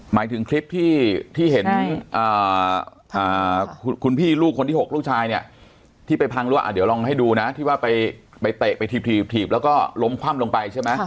หมายถึงคลิปที่เห็นคุณพี่ลูกคนที่๖ลูกชายเนี่ยที่ไปพังหรือว่าเดี๋ยวลองให้ดูนะที่ว่าไปเตะไปถีบแล้วก็ล้มคว่ำลงไปใช่ไหม